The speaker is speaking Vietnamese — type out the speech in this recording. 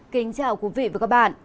kính chào quý vị và các bạn